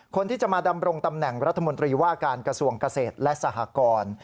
คนที่จะมาดำรงตำแหน่งรัฐมนตรีว่าการกระทรวงเกษตรและสหกร